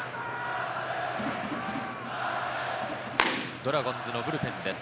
ドラゴンズのブルペンです。